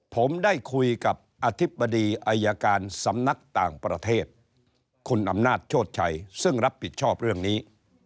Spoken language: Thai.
ผมได้คุยกับอธิบดีอายการสำนักต่างประเทศคุณอำนาจโชชัยซึ่งรับผิดชอบเรื่องนี้